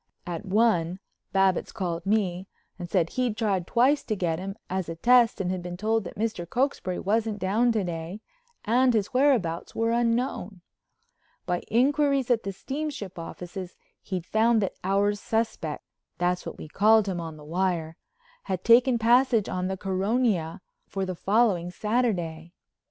At one Babbitts called me and said he'd tried twice to get him as a test and been told that Mr. Cokesbury wasn't down to day and his whereabouts were unknown. By inquiries at the steamship offices he'd found that Our Suspect—that's what we called him on the wire—had taken passage on the Caronia for the following Saturday.